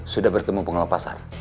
sudah bertemu pengelola pasar